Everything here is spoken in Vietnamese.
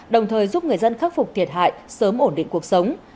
đồng thời giúp người dân khắc phục thiệt hại sớm ổn định cuộc sống